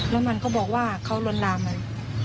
แล้วมันก็บอกว่าเขาร้อนรามมัน